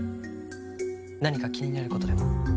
何か気になることでも？